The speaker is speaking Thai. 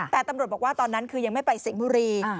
แต่ตำรวจบอกว่าตอนนั้นคือยังไม่ไปสิงห์บุรี